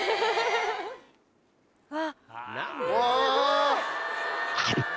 うわ！